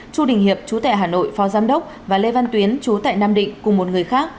chu đình hiệp chú tại hà nội phó giám đốc và lê văn tuyến chú tại nam định cùng một người khác